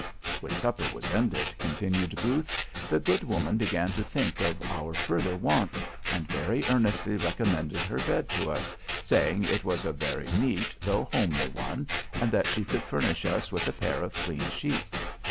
"When supper was ended," continued Booth, "the good woman began to think of our further wants, and very earnestly recommended her bed to us, saying, it was a very neat, though homely one, and that she could furnish us with a pair of clean sheets.